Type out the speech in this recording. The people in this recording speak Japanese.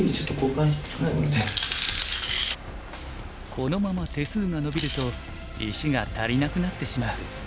このまま手数がのびると石が足りなくなってしまう。